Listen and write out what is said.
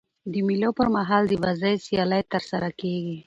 د مېلو پر مهال د بازۍ سیالۍ ترسره کیږي.